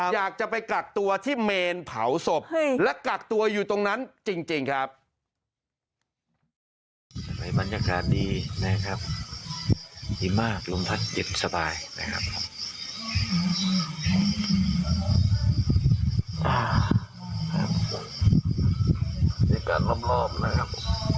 อยากจะไปกักตัวที่เมนเผาศพและกักตัวอยู่ตรงนั้นจริงครับ